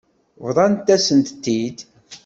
Bḍant-asen-tent-id.